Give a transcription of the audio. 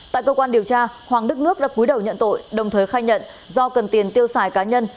tại cơ quan điều tra hoàng đức nước đã cúi đầu nhận tội đồng thời khai nhận do cần tiền tiêu xài cá nhân